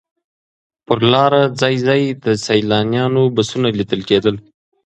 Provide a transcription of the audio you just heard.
پر لاره ځای ځای د سیلانیانو بسونه لیدل کېدل.